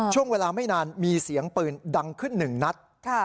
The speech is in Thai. ช่วงเวลาไม่นานมีเสียงปืนดังขึ้นหนึ่งนัด